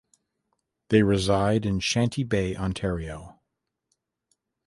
They reside in Shanty Bay, Ontario.